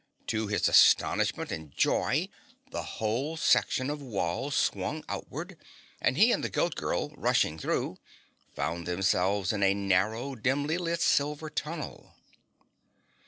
To his astonishment and joy the whole section of wall swung outward and he and the Goat Girl, rushing through, found themselves in a narrow dimly lit silver tunnel.